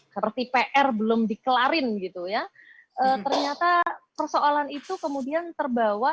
seperti pr belum dikelarin gitu ya ternyata persoalan itu kemudian terbawa